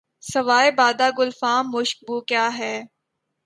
سوائے بادۂ گلفام مشک بو کیا ہے